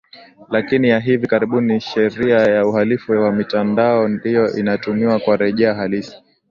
lakini ya hivi karibuni Sheria ya Uhalifu wa Mitandao ndiyo inatumiwa kama rejea halisi